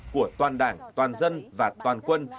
của toàn đảng toàn dân và toàn quân